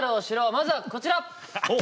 まずはこちら！